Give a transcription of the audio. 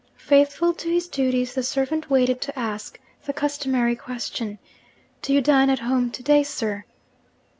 Faithful to his duties, the servant waited to ask the customary question, 'Do you dine at home to day, sir?'